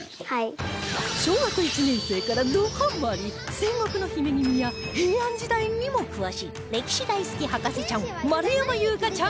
小学１年生からどハマり戦国の姫君や平安時代にも詳しい歴史大好き博士ちゃん丸山裕加ちゃん